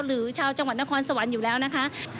หรือชาวจังหวัดนครสวรรค์อยู่แล้วนะคะ